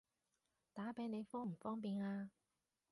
打畀你方唔方便啊？